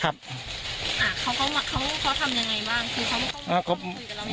ครับอ่าเขาเขาเขาเขาเขาทำยังไงบ้างคือเขาเขาไม่ได้คุยกับเรา